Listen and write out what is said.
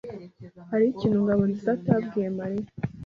Hariho ikintu Ngabonzizaatabwiye Mariya.